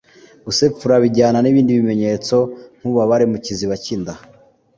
gusepfura bijyana n’ibindi bimenyetso nk’ububabare mu kiziba cy’inda